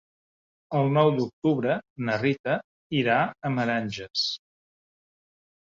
El nou d'octubre na Rita irà a Meranges.